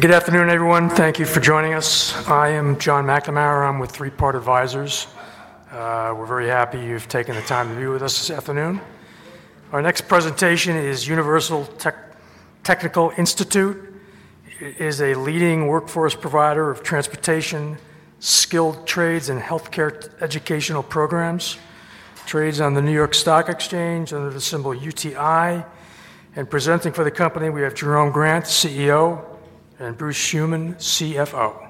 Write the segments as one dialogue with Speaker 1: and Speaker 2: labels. Speaker 1: Good afternoon, everyone. Thank you for joining us. I am John McNamara. I'm with Three Part Advisors. We're very happy you've taken the time to be with us this afternoon. Our next presentation is Universal Technical Institute. It is a leading workforce provider of transportation, skilled trades, and healthcare educational programs. It trades on the New York Stock Exchange under the symbol UTI. Presenting for the company, we have Jerome Grant, CEO, and Bruce Schuman, CFO.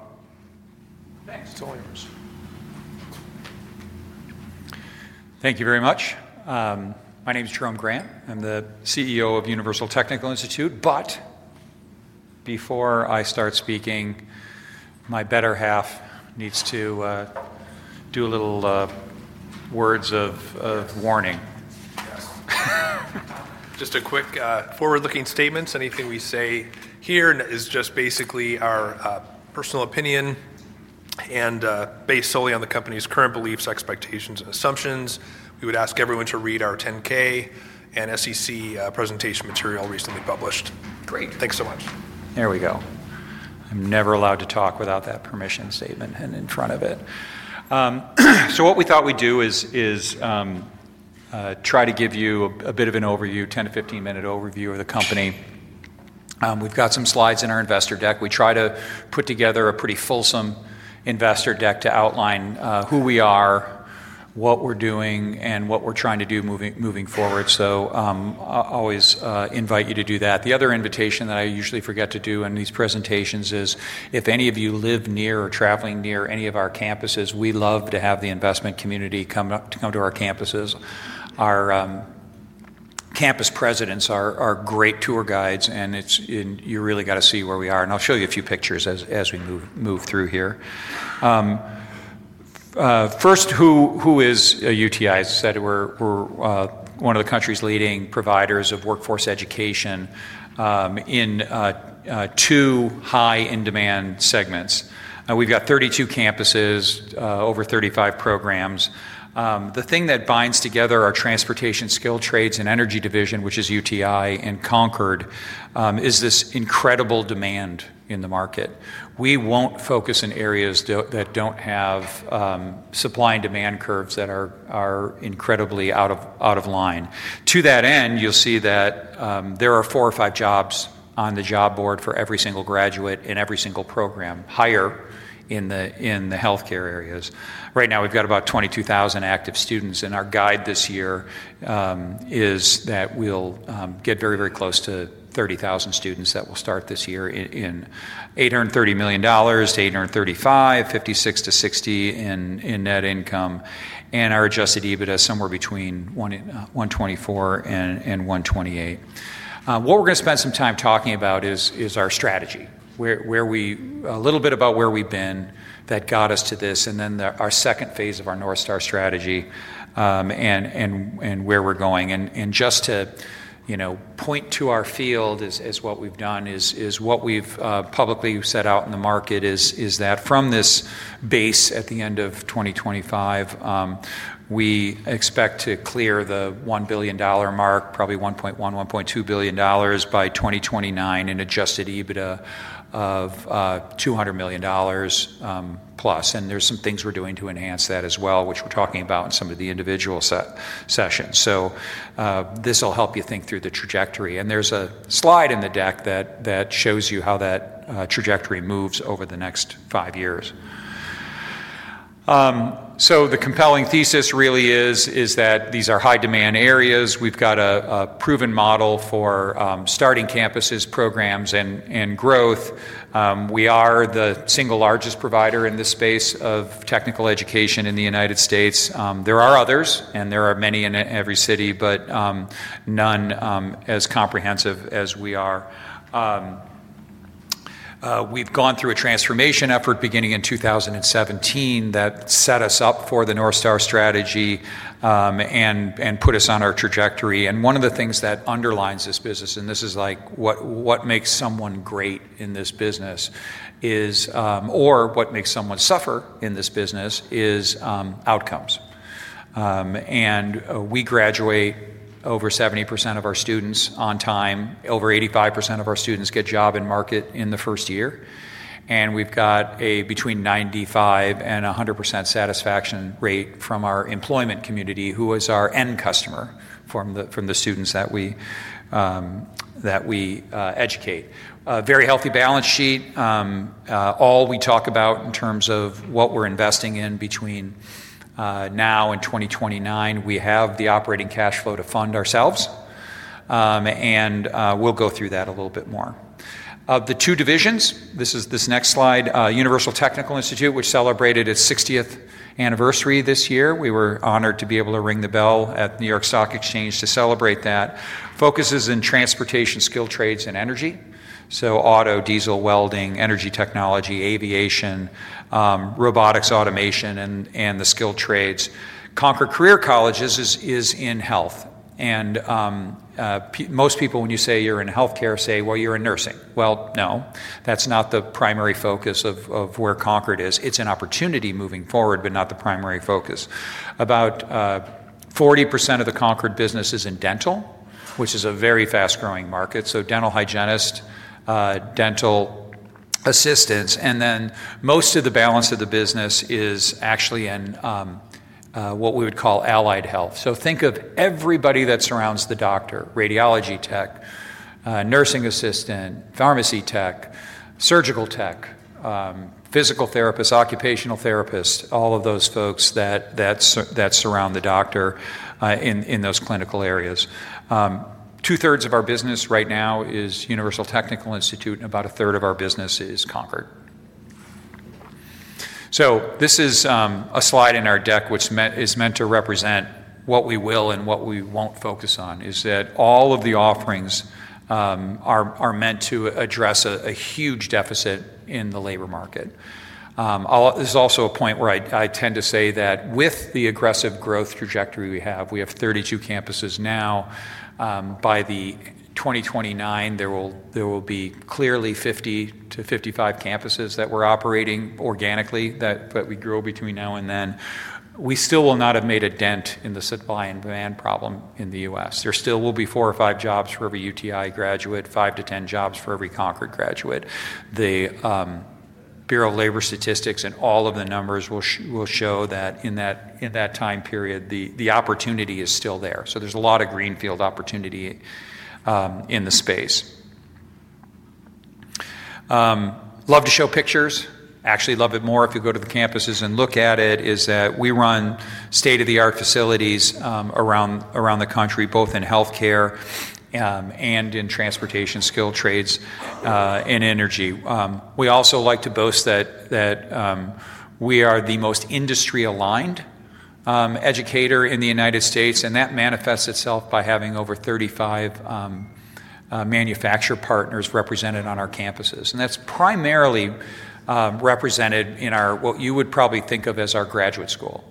Speaker 2: Thank you very much. My name is Jerome Grant. I'm the CEO of Universal Technical Institute. Before I start speaking, my better half needs to do a little words of warning.
Speaker 3: Yeah. Just a quick forward-looking statement. Anything we say here is just basically our personal opinion and based solely on the company's current beliefs, expectations, and assumptions. We would ask everyone to read our 10-K and SEC presentation material recently published.
Speaker 2: Great.
Speaker 3: Thanks so much.
Speaker 2: There we go. I'm never allowed to talk without that permission statement in front of it. What we thought we'd do is try to give you a bit of an overview, 10-15 minute overview of the company. We've got some slides in our investor deck. We try to put together a pretty fulsome investor deck to outline who we are, what we're doing, and what we're trying to do moving forward. I always invite you to do that. The other invitation that I usually forget to do in these presentations is if any of you live near or traveling near any of our campuses, we love to have the investment community come to our campuses. Our campus presidents are great tour guides, and you really got to see where we are. I'll show you a few pictures as we move through here. First, who is UTI? I said we're one of the country's leading providers of workforce education in two high-in-demand segments. We've got 32 campuses, over 35 programs. The thing that binds together our transportation, skilled trades, and energy division, which is UTI, and Concorde, is this incredible demand in the market. We won't focus in areas that don't have supply and demand curves that are incredibly out of line. To that end, you'll see that there are four or five jobs on the job board for every single graduate in every single program, higher in the healthcare areas. Right now, we've got about 22,000 active students. Our guide this year is that we'll get very, very close to 30,000 students that will start this year in $830 million, $835 million, $56 million, $60 million in net income, and our adjusted EBITDA somewhere between $124 million-$128 million. What we're going to spend some time talking about is our strategy, a little bit about where we've been that got us to this, and then our phase II of our North Star strategy and where we're going. Just to point to our field as what we've done, what we've publicly set out in the market is that from this base at the end of 2025, we expect to clear the $1 billion mark, probably $1.1 billion, $1.2 billion by 2029, and adjusted EBITDA of $200 million+. There are some things we're doing to enhance that as well, which we're talking about in some of the individual sessions. This will help you think through the trajectory. There's a slide in the deck that shows you how that trajectory moves over the next five years. The compelling thesis really is that these are high-demand areas. We've got a proven model for starting campuses, programs, and growth. We are the single largest provider in this space of technical education in the United States. There are others, and there are many in every city, but none as comprehensive as we are. We have gone through a transformation effort beginning in 2017 that set us up for the North Star strategy and put us on our trajectory. One of the things that underlines this business, and this is like what makes someone great in this business, or what makes someone suffer in this business, is outcomes. We graduate over 70% of our students on time. Over 85% of our students get a job in market in the first year. We have a between 95%-100% satisfaction rate from our employment community, who is our end customer from the students that we educate. A very healthy balance sheet. All we talk about in terms of what we're investing in between now and 2029, we have the operating cash flow to fund ourselves. We will go through that a little bit more. Of the two divisions, this next slide, Universal Technical Institute, which celebrated its 60th anniversary this year, we were honored to be able to ring the bell at the New York Stock Exchange to celebrate that, focuses in transportation, skilled trades, and energy. Auto, diesel, welding, energy technology, aviation, robotics, automation, and the skilled trades. Concorde Career Colleges is in health. Most people, when you say you're in healthcare, say, you're in nursing. No, that's not the primary focus of where Concorde is. It's an opportunity moving forward, but not the primary focus. About 40% of the Concorde business is in dental, which is a very fast-growing market. Dental hygienists, dental assistants, and then most of the balance of the business is actually in what we would call allied health. Think of everybody that surrounds the doctor, radiology tech, nursing assistant, pharmacy tech, surgical tech, physical therapists, occupational therapists, all of those folks that surround the doctor in those clinical areas. 2/3 of our business right now is Universal Technical Institute, and about 1/3 of our business is Concorde. This is a slide in our deck, which is meant to represent what we will and what we won't focus on, is that all of the offerings are meant to address a huge deficit in the labor market. This is also a point where I tend to say that with the aggressive growth trajectory we have, we have 32 campuses now. By 2029, there will be clearly 50-55 campuses that we're operating organically, but we grow between now and then. We still will not have made a dent in the supply and demand problem in the U.S. There still will be four or five jobs for every UTI graduate, five to ten jobs for every Concorde graduate. The Bureau of Labor Statistics and all of the numbers will show that in that time period, the opportunity is still there. There is a lot of greenfield opportunity in the space. Love to show pictures. Actually, love it more if you go to the campuses and look at it, is that we run state-of-the-art facilities around the country, both in healthcare and in transportation, skilled trades, and energy. We also like to boast that we are the most industry-aligned educator in the United States, and that manifests itself by having over 35 manufacturer partners represented on our campuses. That's primarily represented in what you would probably think of as our graduate school.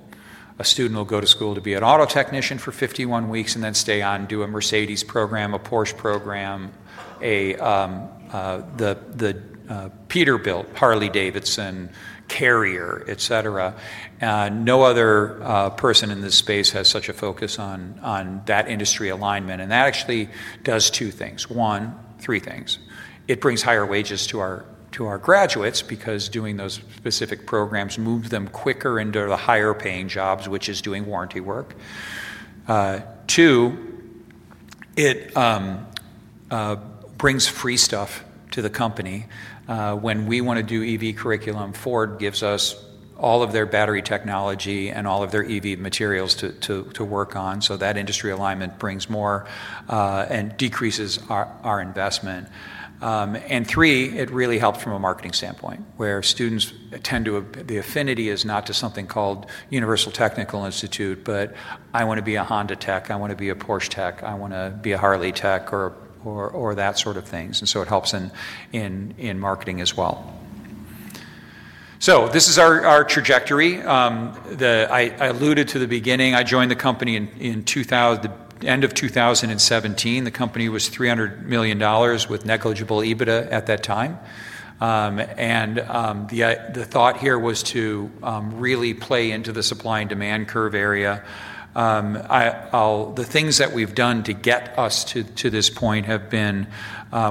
Speaker 2: A student will go to school to be an auto technician for 51 weeks and then stay on and do a Mercedes program, a Porsche program, the Peterbilt, Harley-Davidson, Carrier, etc. No other person in this space has such a focus on that industry alignment. That actually does two things. One, three things. It brings higher wages to our graduates because doing those specific programs moves them quicker into the higher-paying jobs, which is doing warranty work. Two, it brings free stuff to the company. When we want to do EV curriculum, Ford gives us all of their battery technology and all of their EV materials to work on. That industry alignment brings more and decreases our investment. Three, it really helps from a marketing standpoint where students tend to, the affinity is not to something called Universal Technical Institute, but I want to be a Honda tech, I want to be a Porsche tech, I want to be a Harley tech, or that sort of things. It helps in marketing as well. This is our trajectory. I alluded to the beginning, I joined the company in the end of 2017. The company was $300 million with negligible EBITDA at that time. The thought here was to really play into the supply and demand curve area. The things that we've done to get us to this point have been,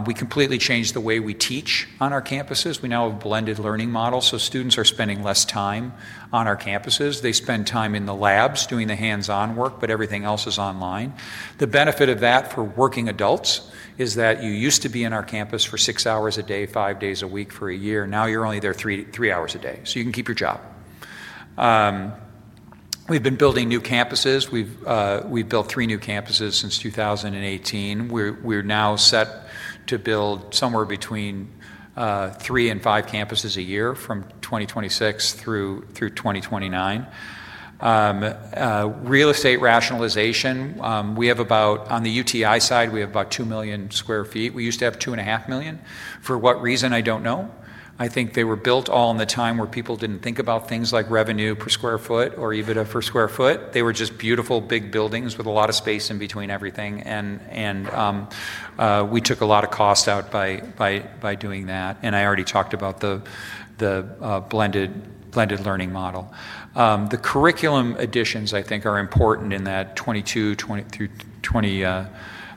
Speaker 2: we completely changed the way we teach on our campuses. We now have blended learning models, so students are spending less time on our campuses. They spend time in the labs doing the hands-on work, but everything else is online. The benefit of that for working adults is that you used to be in our campus for six hours a day, five days a week for a year. Now you're only there three hours a day, so you can keep your job. We've been building new campuses. We've built three new campuses since 2018. We're now set to build somewhere between 3-5 campuses a year from 2026-2029. Real estate rationalization, we have about, on the UTI side, we have about 2 million sq ft. We used to have 2.5 million. For what reason, I don't know. I think they were built all in the time where people didn't think about things like revenue per square foot or EBITDA per square foot. They were just beautiful big buildings with a lot of space in between everything. We took a lot of costs out by doing that. I already talked about the blended learning model. The curriculum additions, I think, are important in that 2022 through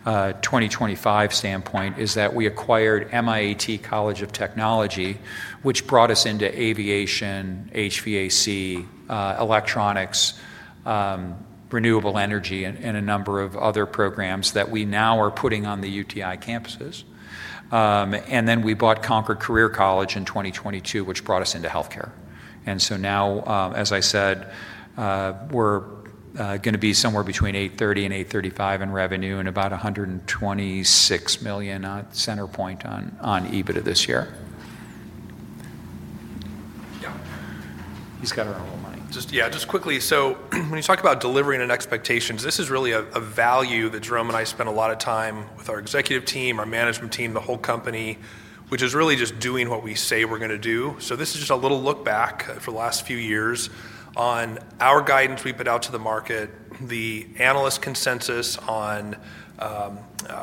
Speaker 2: 2025 standpoint, is that we acquired MIAT College of Technology, which brought us into aviation, HVAC, electronics, renewable energy, and a number of other programs that we now are putting on the UTI campuses. We bought Concorde Career Colleges in 2022, which brought us into healthcare. As I said, we're going to be somewhere between $830 million-$835 million in revenue and about $126 million at center point on EBITDA this year. He's got to run a little money.
Speaker 3: Yeah, just quickly. When you talk about delivery and expectations, this is really a value that Jerome and I spend a lot of time with our executive team, our management team, the whole company, which is really just doing what we say we're going to do. This is just a little look back for the last few years on our guidance we put out to the market, the analyst consensus on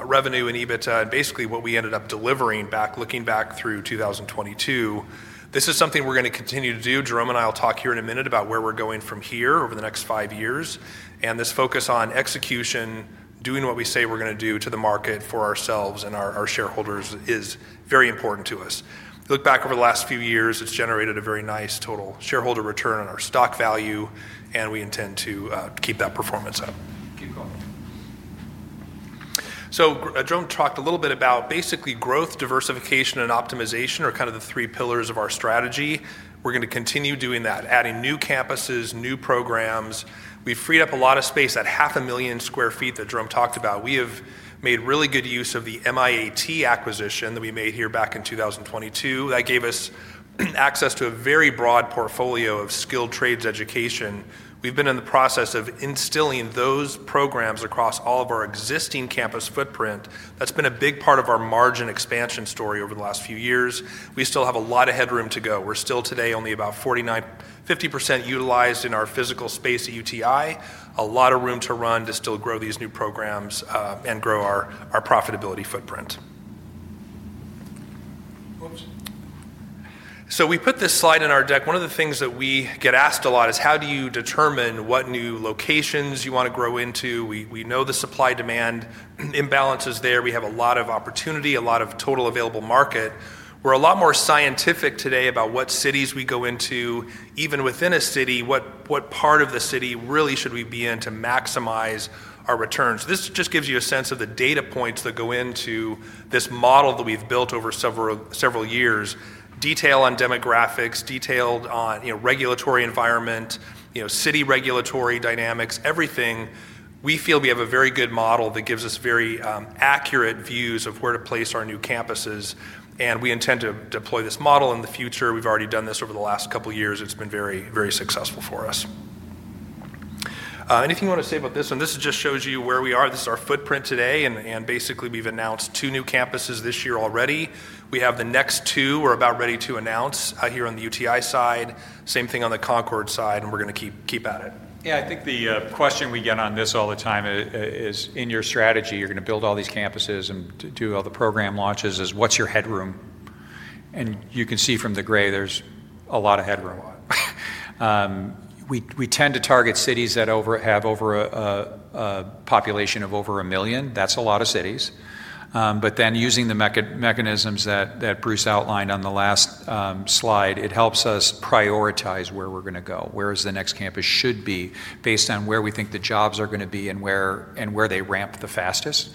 Speaker 3: revenue and EBITDA, and basically what we ended up delivering back, looking back through 2022. This is something we're going to continue to do. Jerome and I will talk here in a minute about where we're going from here over the next five years. This focus on execution, doing what we say we're going to do to the market for ourselves and our shareholders is very important to us. Look back over the last few years, it's generated a very nice total shareholder return on our stock value, and we intend to keep that performance up. Jerome talked a little bit about basically growth, diversification, and optimization are kind of the three pillars of our strategy. We're going to continue doing that, adding new campuses, new programs. We've freed up a lot of space at 500,000 sq ft that Jerome talked about. We have made really good use of the MIAT acquisition that we made here back in 2022. That gave us access to a very broad portfolio of skilled trades education. We've been in the process of instilling those programs across all of our existing campus footprint. That's been a big part of our margin expansion story over the last few years. We still have a lot of headroom to go. We're still today only about 49%-50% utilized in our physical space at UTI. A lot of room to run to still grow these new programs and grow our profitability footprint. We put this slide in our deck. One of the things that we get asked a lot is how do you determine what new locations you want to grow into? We know the supply-demand imbalance is there. We have a lot of opportunity, a lot of total available market. We're a lot more scientific today about what cities we go into, even within a city, what part of the city really should we be in to maximize our returns. This just gives you a sense of the data points that go into this model that we've built over several years. Detail on demographics, detailed on regulatory environment, city regulatory dynamics, everything. We feel we have a very good model that gives us very accurate views of where to place our new campuses. We intend to deploy this model in the future. We've already done this over the last couple of years. It's been very, very successful for us. If you want to say about this one, this just shows you where we are. This is our footprint today. Basically, we've announced two new campuses this year already. We have the next two. We're about ready to announce here on the UTI side, same thing on the Concorde side, and we're going to keep at it.
Speaker 2: Yeah, I think the question we get on this all the time is in your strategy, you're going to build all these campuses and do all the program launches, is what's your headroom? You can see from the gray, there's a lot of headroom. We tend to target cities that have a population of over a million. That's a lot of cities. Using the mechanisms that Bruce outlined on the last slide, it helps us prioritize where we're going to go, where the next campus should be, based on where we think the jobs are going to be and where they ramp the fastest.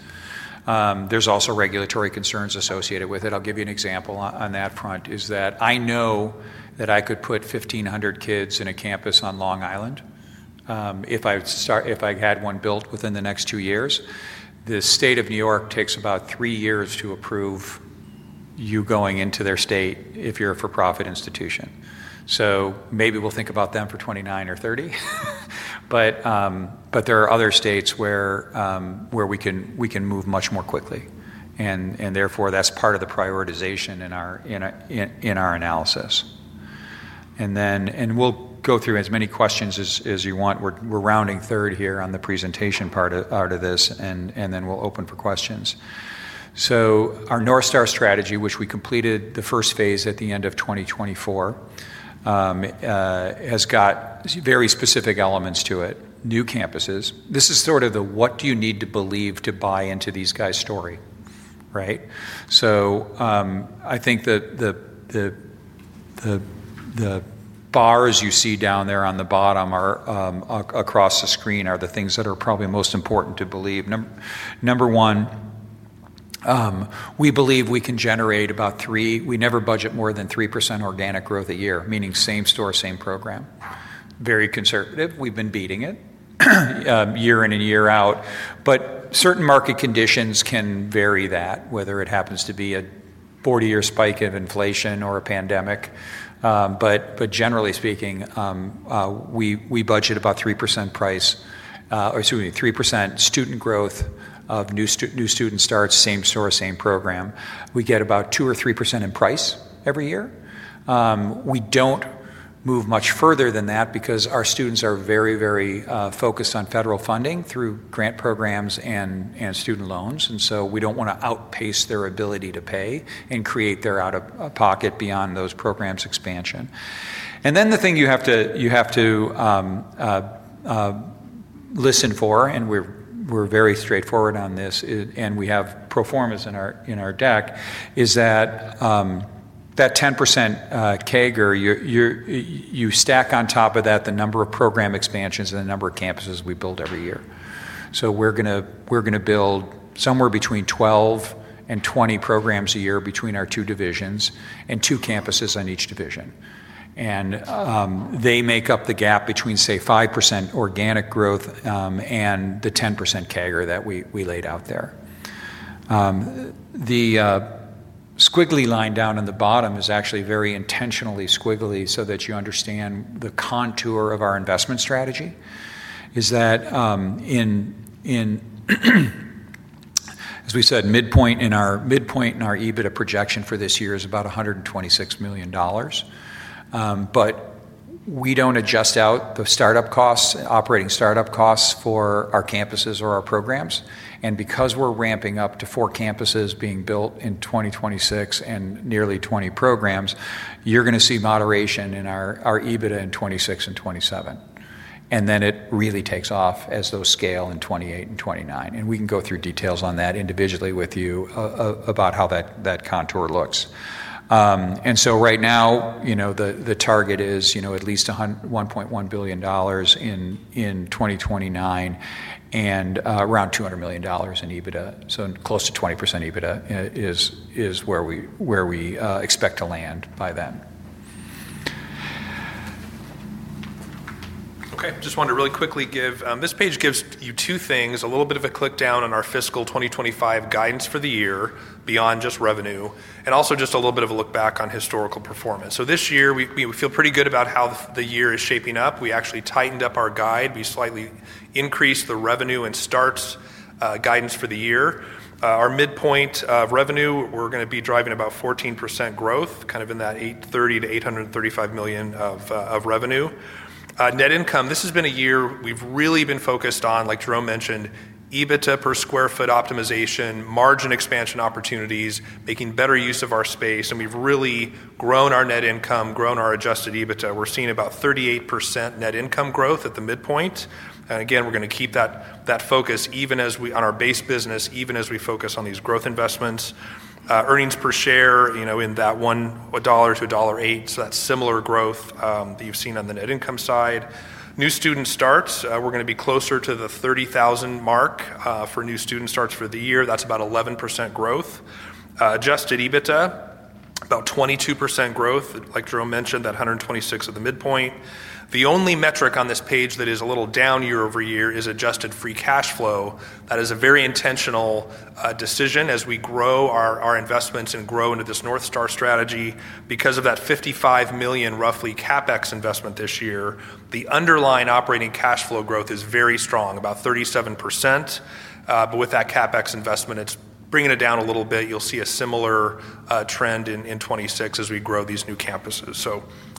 Speaker 2: There are also regulatory concerns associated with it. I'll give you an example on that front, I know that I could put 1,500 kids in a campus on Long Island if I had one built within the next two years. The state of New York takes about three years to approve you going into their state if you're a for-profit institution. Maybe we'll think about them for 2029 or 2030. There are other states where we can move much more quickly. Therefore, that's part of the prioritization in our analysis. We'll go through as many questions as you want. We're rounding third here on the presentation part of this, and then we'll open for questions. Our North Star strategy, which we completed the phase I at the end of 2024, has got very specific elements to it. New campuses. This is sort of the what do you need to believe to buy into these guys' story, right? I think the bars you see down there on the bottom across the screen are the things that are probably most important to believe. Number one, we believe we can generate about three, we never budget more than 3% organic growth a year, meaning same store, same program. Very conservative. We've been beating it year in and year out. Certain market conditions can vary that, whether it happens to be a 40-year spike of inflation or a pandemic. Generally speaking, we budget about 3% student growth of new student starts, same store, same program. We get about 2% or 3% in price every year. We don't move much further than that because our students are very, very focused on federal funding through grant programs and student loans. We don't want to outpace their ability to pay and create their out-of-pocket beyond those programs' expansion. The thing you have to listen for, and we're very straightforward on this, and we have pro forma in our deck, is that that 10% CAGR, you stack on top of that the number of program expansions and the number of campuses we build every year. We're going to build somewhere between 12-20 programs a year between our two divisions and two campuses on each division. They make up the gap between, say, 5% organic growth and the 10% CAGR that we laid out there. The squiggly line down in the bottom is actually very intentionally squiggly so that you understand the contour of our investment strategy, is that in, as we said, midpoint in our EBITDA projection for this year is about $126 million. We don't adjust out the startup costs, operating startup costs for our campuses or our programs. Because we're ramping up to four campuses being built in 2026 and nearly 20 programs, you're going to see moderation in our EBITDA in 2026 and 2027. It really takes off as those scale in 2028 and 2029. We can go through details on that individually with you about how that contour looks. Right now, you know the target is you know at least $1.1 billion in 2029 and around $200 million in EBITDA. Close to 20% EBITDA is where we expect to land by then.
Speaker 3: Okay. I just wanted to really quickly give, this page gives you two things, a little bit of a click down on our fiscal 2025 guidance for the year beyond just revenue, and also just a little bit of a look back on historical performance. This year, we feel pretty good about how the year is shaping up. We actually tightened up our guide. We slightly increased the revenue and starts guidance for the year. Our midpoint of revenue, we're going to be driving about 14% growth, kind of in that $830 million-$835 million of revenue. Net income, this has been a year we've really been focused on, like Jerome mentioned, EBITDA per square foot optimization, margin expansion opportunities, making better use of our space. We've really grown our net income, grown our adjusted EBITDA. We're seeing about 38% net income growth at the midpoint. We're going to keep that focus even as we on our base business, even as we focus on these growth investments. Earnings per share, you know, in that $1-$1.08, so that's similar growth that you've seen on the net income side. New student starts, we're going to be closer to the 30,000 mark for new student starts for the year. That's about 11% growth. Adjusted EBITDA, about 22% growth, like Jerome mentioned, that $126 million at the midpoint. The only metric on this page that is a little down year over year is adjusted free cash flow. That is a very intentional decision as we grow our investments and grow into this North Star strategy. Because of that $55 million roughly CapEx investment this year, the underlying operating cash flow growth is very strong, about 37%. With that CapEx investment, it's bringing it down a little bit. You'll see a similar trend in 2026 as we grow these new campuses.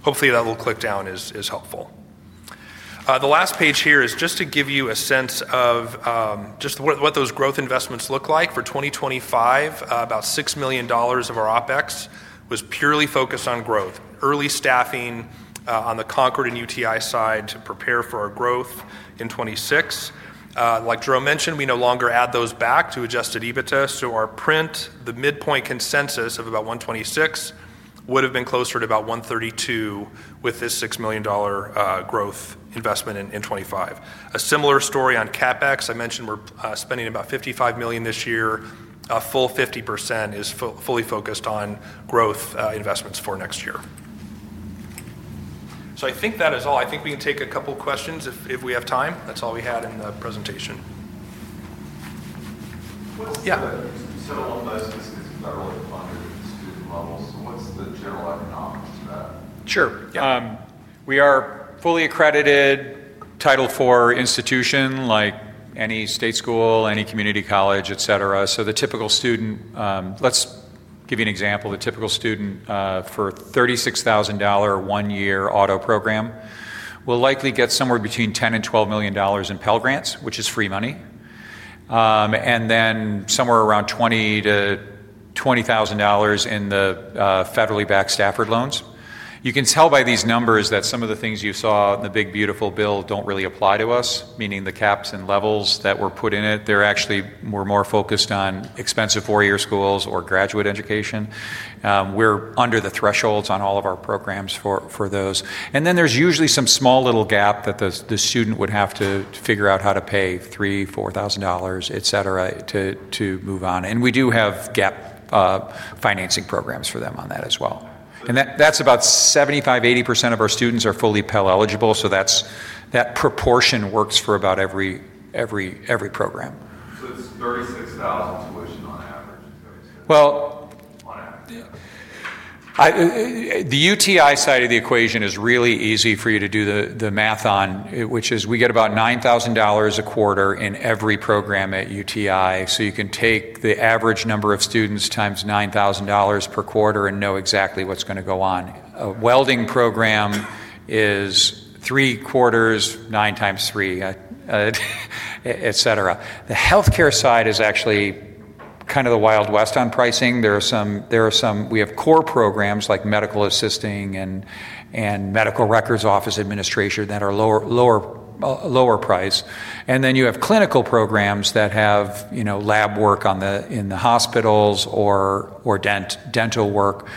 Speaker 3: Hopefully, that little click down is helpful. The last page here is just to give you a sense of just what those growth investments look like for 2025. About $6 million of our OpEx was purely focused on growth, early staffing on the Concorde and UTI side to prepare for our growth in 2026. Like Jerome mentioned, we no longer add those back to adjusted EBITDA. Our print, the midpoint consensus of about $126 million would have been closer to about $132 million with this $6 million growth investment in 2025. A similar story on CapEx. I mentioned we're spending about $55 million this year. A full 50% is fully focused on growth investments for next year. I think that is all. I think we can take a couple of questions if we have time. That's all we had in the presentation. Sure. We are fully accredited, titled for institution like any state school, any community college, etc. The typical student, let's give you an example. The typical student for a $36,000 one-year auto program will likely get somewhere between $10,000-$12,000 in Pell Grants, which is free money. Then somewhere around $20,000, $20,000 in the federally backed Stafford loans. You can tell by these numbers that some of the things you saw in the big beautiful bill don't really apply to us, meaning the caps and levels that were put in it. They're actually more focused on expensive four-year schools or graduate education. We're under the thresholds on all of our programs for those. There's usually some small little gap that the student would have to figure out how to pay, $3,000, $4,000, etc., to move on. We do have gap financing programs for them on that as well. That's about 75%-80% of our students are fully Pell eligible. That proportion works for about every program. The UTI side of the equation is really easy for you to do the math on, which is we get about $9,000 a quarter in every program at UTI. You can take the average number of students times $9,000 per quarter and know exactly what's going to go on. A welding program is three quarters, 9 x 3, etc. The healthcare side is actually kind of the Wild West on pricing. There are some, we have core programs like medical assisting and medical records office administration that are lower priced. Then you have clinical programs that have, you know, lab work in the hospitals or dental work,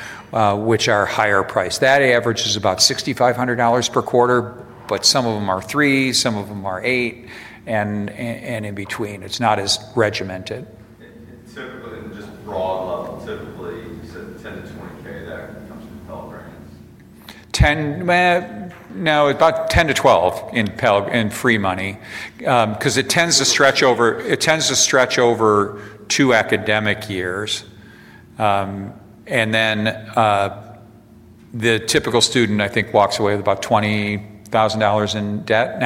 Speaker 3: which are higher priced. That average is about $6,500 per quarter, but some of them are $3,000, some of them are $8,000, and in between. It's not as regimented. Typically, you said $10,000-$20,000 that comes to Pell Grants. No, about $10,000-$12,000 in free money, because it tends to stretch over two academic years. The typical student, I think, walks away with about $20,000 in debt.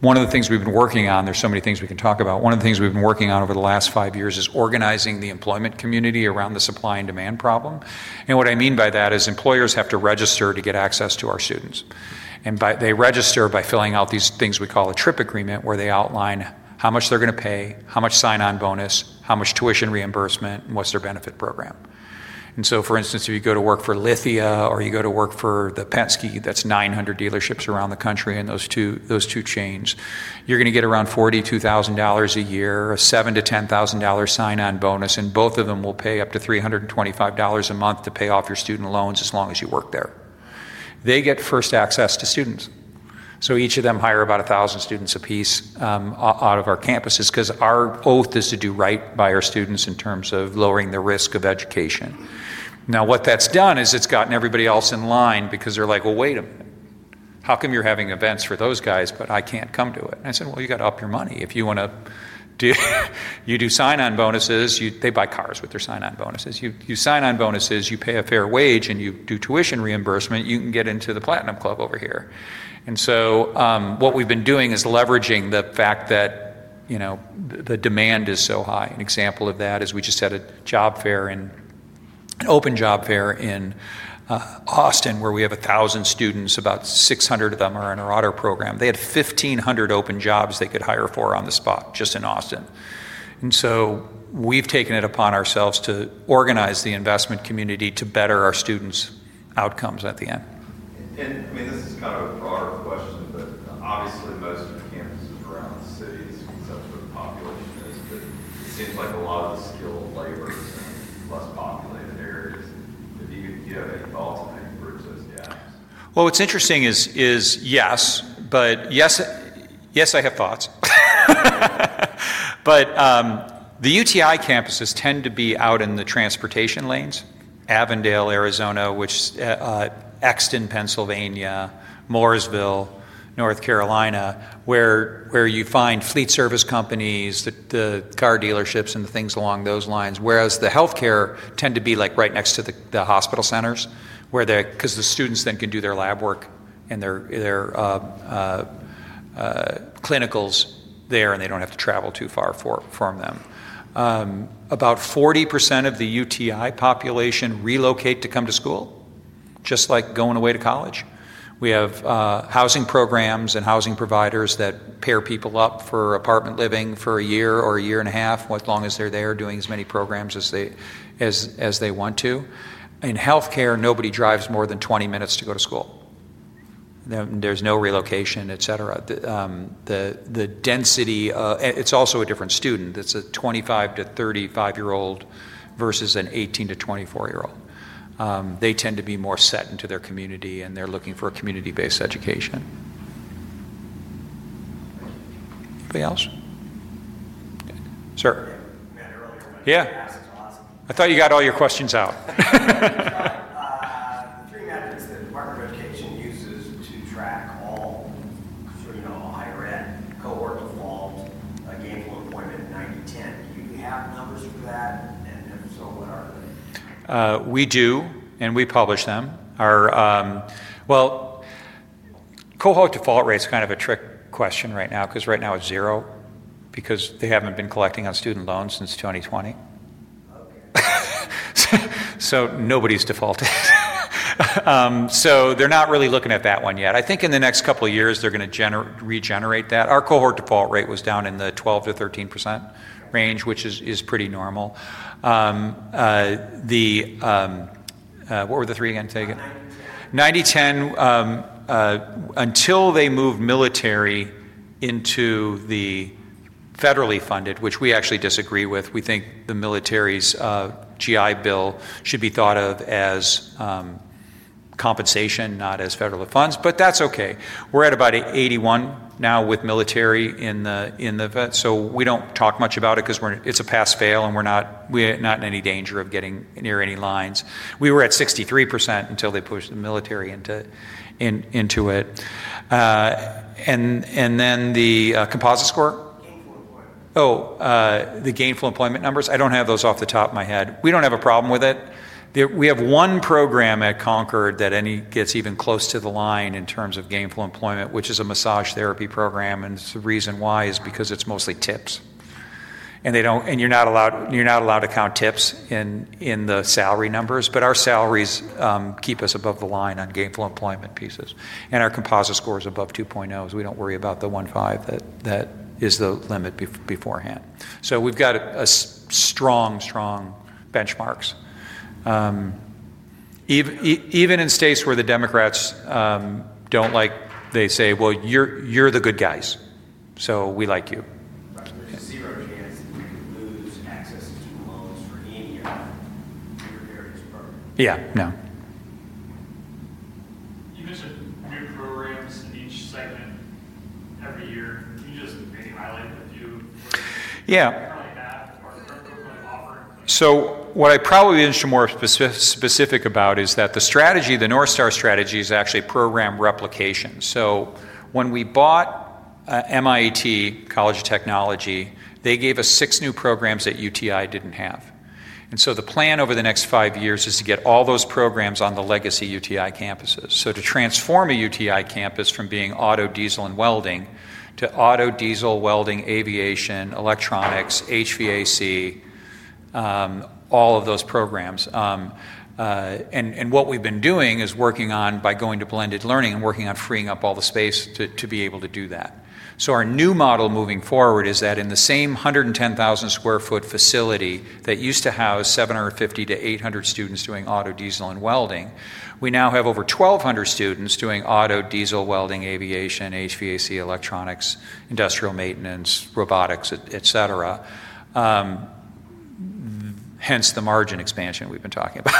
Speaker 3: One of the things we've been working on, there's so many things we can talk about. One of the things we've been working on over the last five years is organizing the employment community around the supply and demand problem. What I mean by that is employers have to register to get access to our students. They register by filling out these things we call a TRIP agreement, where they outline how much they're going to pay, how much sign-on bonus, how much tuition reimbursement, and what's their benefit program. For instance, if you go to work for Lithia or you go to work for the Penske, that's 900 dealerships around the country in those two chains, you're going to get around $42,000 a year, a $7,000-$10,000 sign-on bonus, and both of them will pay up to $325 a month to pay off your student loans as long as you work there. They get first access to students. Each of them hire about 1,000 students apiece out of our campuses, because our oath is to do right by our students in terms of lowering the risk of education. What that's done is it's gotten everybody else in line because they're like, wait a minute, how come you're having events for those guys, but I can't come to it? I said, you got to up your money. If you want to do sign-on bonuses, they buy cars with their sign-on bonuses. You sign on bonuses, you pay a fair wage, and you do tuition reimbursement, you can get into the Platinum Club over here. What we've been doing is leveraging the fact that the demand is so high. An example of that is we just had a job fair and an open job fair in Austin, where we have 1,000 students, about 600 of them are in our Automotive Technology program. They had 1,500 open jobs they could hire for on the spot, just in Austin. We've taken it upon ourselves to organize the investment community to better our students' outcomes at the end. This is kind of a follow-up question, but obviously, most of the campuses around the city, this comes up to the population. It seems like a lot of the skilled labor is in less populated areas. Do you have any thoughts on that? Yes, I have thoughts. The Universal Technical Institute campuses tend to be out in the transportation lanes: Avondale, Arizona; Exton, Pennsylvania; Mooresville, North Carolina, where you find fleet service companies, the car dealerships, and things along those lines. Whereas the healthcare tend to be right next to the hospital centers, because the students then can do their lab work and their clinicals there, and they don't have to travel too far from them. About 40% of the Universal Technical Institute population relocate to come to school, just like going away to college. We have housing programs and housing providers that pair people up for apartment living for a year or a year and a half, as long as they're there, doing as many programs as they want to. In healthcare, nobody drives more than 20 minutes to go to school. There's no relocation, etc. The density, it's also a different student. It's a 25-35 year-old versus an 18-24 year-old. They tend to be more set into their community, and they're looking for a community-based education. Anybody else? Sure. Yeah. I thought you got all your questions out. Three campuses weren't rotated. Uses to track all students through the higher ed, cohort default rates, gainful appointment, 90/10 compliance. Do you have numbers for that? If so, what are they? We do, and we publish them. Cohort default rate is kind of a trick question right now, because right now it's zero, because they haven't been collecting on student loans since 2020. Nobody's defaulted. They're not really looking at that one yet. I think in the next couple of years, they're going to regenerate that. Our cohort default rate was down in the 12%-13% range, which is pretty normal. What were the three again? Say again. 90/10 until they move military into the federally funded, which we actually disagree with. We think the military's GI Bill should be thought of as compensation, not as federal funds, but that's okay. We're at about 81% now with military in the vets, so we don't talk much about it because it's a pass-fail, and we're not in any danger of getting near any lines. We were at 63% until they pushed the military into it. The composite score, oh, the gainful employment numbers, I don't have those off the top of my head. We don't have a problem with it. We have one program at Concorde Career Colleges that gets even close to the line in terms of gainful employment, which is a massage therapy program. The reason why is because it's mostly tips. You're not allowed to count tips in the salary numbers, but our salaries keep us above the line on gainful employment pieces. Our composite score is above 2.0, so we don't worry about the 1.5 that is the limit beforehand. We've got strong, strong benchmarks. Even in states where the Democrats don't like, they say, you're the good guys, so we like you. We see access to walls for India. Yeah, no. What I probably should be more specific about is that the strategy, the North Star strategy, is actually program replication. When we bought MIAT College of Technology, they gave us six new programs that UTI didn't have. The plan over the next five years is to get all those programs on the legacy UTI campuses, to transform a UTI campus from being auto, diesel, and welding to auto, diesel, welding, aviation, electronics, HVAC, all of those programs. What we've been doing is working on, by going to blended learning, and working on freeing up all the space to be able to do that. Our new model moving forward is that in the same 110,000 sq ft that used to house 750 to 800 students doing auto, diesel, and welding, we now have over 1,200 students doing auto, diesel, welding, aviation, HVAC, electronics, industrial maintenance, robotics, etc. Hence the margin expansion we've been talking about,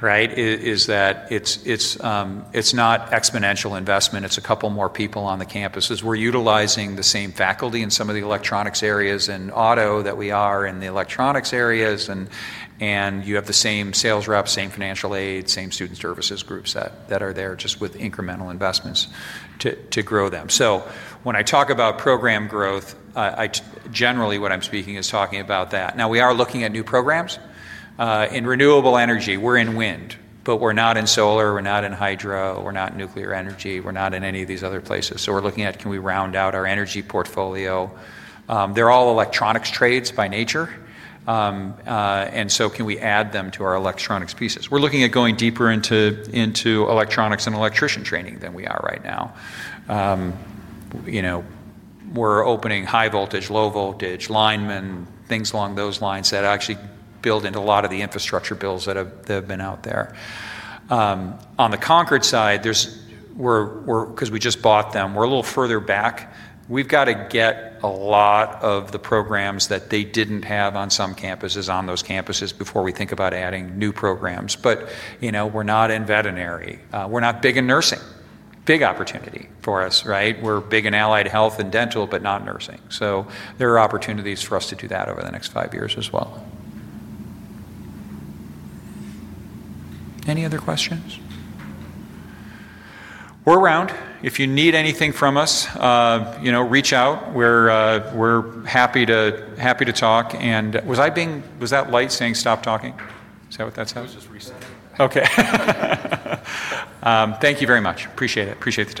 Speaker 3: right? It's not exponential investment. It's a couple more people on the campuses. We're utilizing the same faculty in some of the electronics areas in auto that we are in the electronics areas. You have the same sales reps, same financial aid, same student services groups that are there just with incremental investments to grow them. When I talk about program growth, generally what I'm speaking is talking about that. We are looking at new programs. In renewable energy, we're in wind, but we're not in solar, we're not in hydro, we're not in nuclear energy, we're not in any of these other places. We're looking at can we round out our energy portfolio. They're all electronics trades by nature, and so can we add them to our electronics pieces? We're looking at going deeper into electronics and electrician training than we are right now. We're opening high voltage, low voltage, linemen, things along those lines that actually build into a lot of the infrastructure bills that have been out there. On the Concorde side, because we just bought them, we're a little further back. We've got to get a lot of the programs that they didn't have on some campuses on those campuses before we think about adding new programs. We're not in veterinary. We're not big in nursing. Big opportunity for us, right? We're big in allied health and dental, but not nursing. There are opportunities for us to do that over the next five years as well. Any other questions? We're around. If you need anything from us, reach out. We're happy to talk. Was I being, was that light saying stop talking? Is that what that sounds?
Speaker 2: It was just recent.
Speaker 3: Okay. Thank you very much. Appreciate it. Appreciate it.